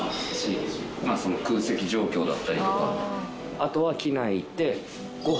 あとは機内行って。